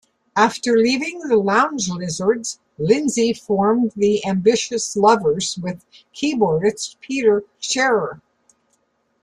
After leaving the Lounge Lizards, Lindsay formed the Ambitious Lovers with keyboardist Peter Scherer.